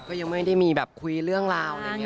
ก็ยังไม่ได้มีแบบคุยเรื่องราวอะไรอย่างนี้